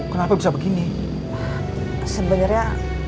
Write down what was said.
kenapa bisa begini sebenarnya